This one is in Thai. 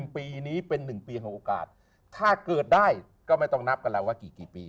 ปีนี้เป็น๑ปีของโอกาสถ้าเกิดได้ก็ไม่ต้องนับกันแล้วว่ากี่ปี